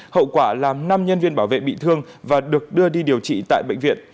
hậu quả làm năm nhân viên bảo vệ bị thương và được đưa đi điều trị tại bệnh viện